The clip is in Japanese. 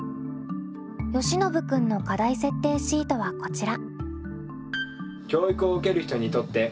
よしのぶ君の課題設定シートはこちら。